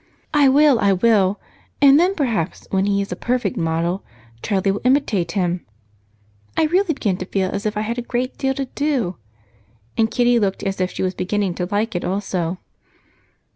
"I will, I will! And then perhaps, when he is a perfect model, Charlie will imitate him. I really begin to feel as if I had a great deal to do." And Kitty looked as if she was beginning to like it also.